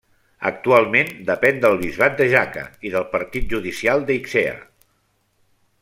Actualment depèn del bisbat de Jaca i del partit judicial d'Eixea.